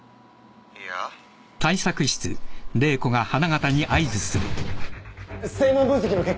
「いや」声紋分析の結果